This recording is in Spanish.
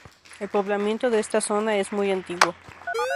El poblamiento de esta zona, es muy antiguo.